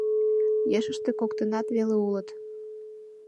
Ешыште коктынак веле улыт.